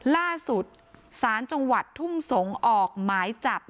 ล่าสุดศาลจังหวัดทุ่งสงศ์ออกหมายจับ